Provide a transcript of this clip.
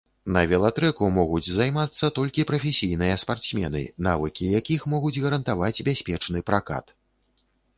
На велатрэку могуць займацца толькі прафесійныя спартсмены, навыкі якіх могуць гарантаваць бяспечны пракат.